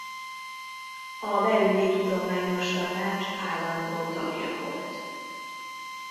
A Belügyi Tudományos Tanács állandó tagja volt.